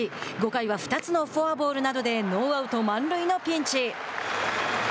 ５回は２つのフォアボールなどでノーアウト満塁のピンチ。